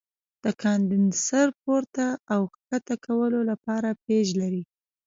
د کاندنسر پورته او ښکته کولو لپاره پیچ لري.